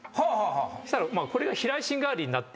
そしたらこれが。